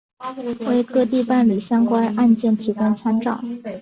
为各地办理相关案件提供参照